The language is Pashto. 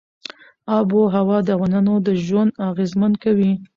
آب وهوا د افغانانو ژوند اغېزمن کوي.